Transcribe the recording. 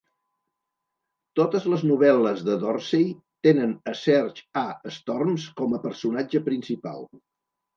Totes les novel·les de Dorsey tenen a Serge A. Storms com a personatge principal.